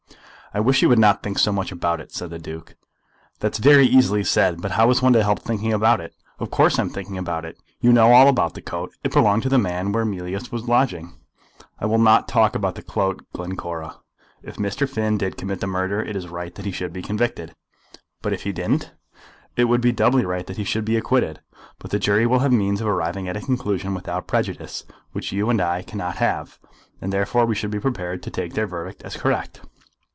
"I wish you would not think so much about it," said the Duke. "That's very easily said, but how is one to help thinking about it? Of course I am thinking about it. You know all about the coat. It belonged to the man where Mealyus was lodging." "I will not talk about the coat, Glencora. If Mr. Finn did commit the murder it is right that he should be convicted." "But if he didn't?" "It would be doubly right that he should be acquitted. But the jury will have means of arriving at a conclusion without prejudice, which you and I cannot have; and therefore we should be prepared to take their verdict as correct."